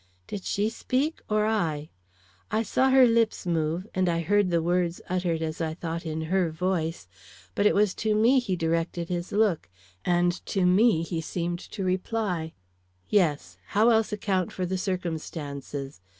_" Did she speak or I? I saw her lips move, and I heard the words uttered as I thought in her voice; but it was to me he directed his look, and to me he seemed to reply: "Yes; how else account for the circumstances?